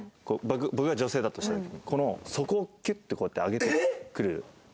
僕が女性だとしてこの底をキュッてこうやって上げてくる方。